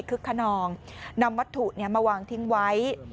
คนนองนำวัตถุมาวางทิ้งไว้